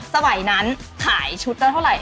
สมัยนั้นขายชุดละเท่าไหร่